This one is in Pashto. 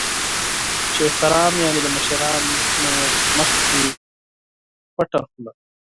چې احترام یعنې د مشرانو مخکې پټه خوله .